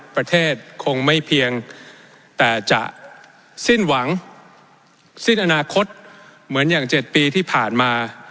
ประเทศคงไม่เพียงแต่จะสิ้นหวังสิ้นอนาคตเหมือนอย่าง๗ปีที่ผ่านมา